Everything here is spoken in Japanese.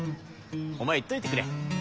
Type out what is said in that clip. お前言っといてくれ。